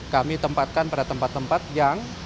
kami tempatkan pada tempat tempat yang